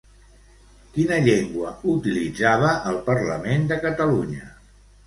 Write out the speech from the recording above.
Quina llengua utilitzava al Parlament de Catalunya?